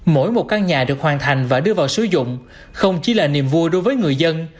mỗi một căn nhà được hoàn thành và đưa vào sử dụng không chỉ là niềm vui đối với người dân